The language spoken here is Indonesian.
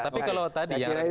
tapi kalau tadi yang radikalisme